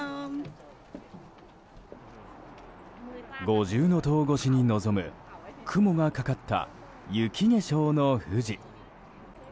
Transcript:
五重塔越しに望む雲がかかった雪化粧の富士。